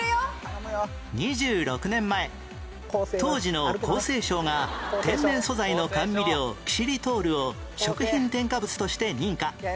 ２６年前当時の厚生省が天然素材の甘味料キシリトールを食品添加物として認可